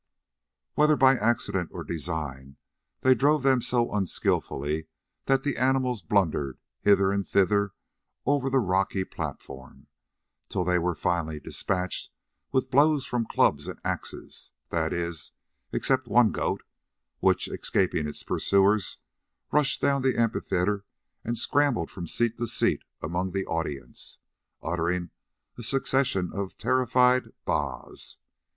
Whether by accident or design, they drove them so unskilfully that the animals blundered hither and thither over the rocky platform till they were finally despatched with blows from clubs and axes—that is, except one goat, which, escaping its pursuers, rushed down the amphitheatre and scrambled from seat to seat among the audience, uttering a succession of terrified "baa's."